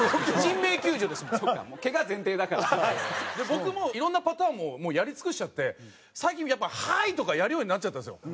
僕もいろんなパターンをもうやり尽くしちゃって最近やっぱ「ハイ」とかやるようになっちゃったんですよ。